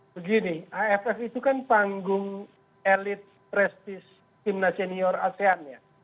begini aff itu kan panggung elit prestis timnas senior asean ya